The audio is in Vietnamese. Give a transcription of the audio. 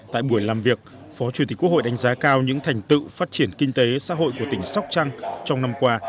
tại buổi làm việc phó chủ tịch quốc hội đánh giá cao những thành tựu phát triển kinh tế xã hội của tỉnh sóc trăng trong năm qua